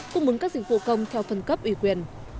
cũng mứng các dịch vụ công theo phần cấp ủy quyền